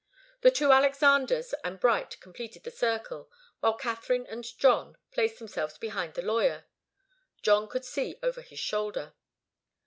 The two Alexanders and Bright completed the circle, while Katharine and John placed themselves behind the lawyer. John could see over his shoulder.